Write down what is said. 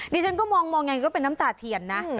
ดิฉันก็มองยังไงก็เป็นน้ำตาเทียนนะ